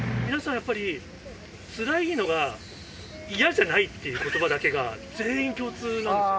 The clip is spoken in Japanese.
やっぱり、つらいのが嫌じゃないっていうことばだけが、全員共通なんですよ。